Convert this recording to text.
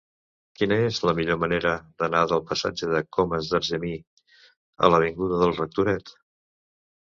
Quina és la millor manera d'anar del passatge de Comas d'Argemí a l'avinguda del Rectoret?